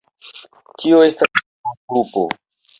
Tio estas laborgrupo.